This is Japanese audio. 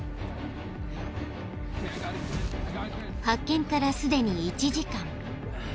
［発見からすでに１時間］